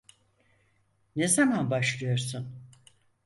Ne zaman başlıyorsun?